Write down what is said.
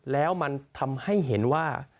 แล้วมันทำให้เห็นว่า